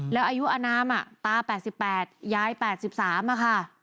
แล้วอายุอนามตา๘๘ยาย๘๓อะค่ะ